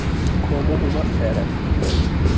Como uma fera